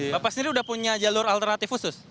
bapak sendiri udah punya jalur alternatif khusus